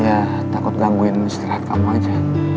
ya takut gangguin istirahat kamu aja